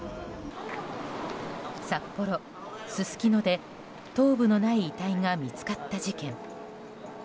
札幌・すすきので頭部のない遺体が見つかった事件。